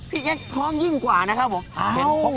แก๊กพร้อมยิ่งกว่านะครับผม